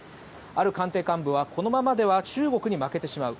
ある官邸幹部は、このままでは中国に負けてしまう。